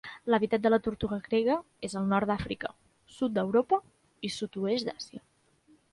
L'hàbitat de la tortuga grega és el nord d'Àfrica, sud d'Europa i sud-oest d'Àsia.